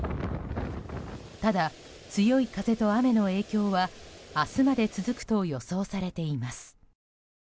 ただ、強い風と雨の影響は明日まで続くと予想されています。